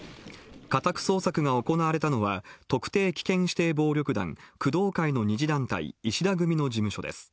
家宅捜索が行われたのは、特定危険指定暴力団工藤会の２次団体、石田組の事務所です。